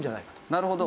なるほど。